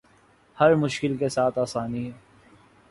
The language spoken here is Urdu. ہر مشکل کے ساتھ آسانی ہے